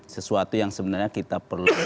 sesuatu yang sebenarnya kita perlu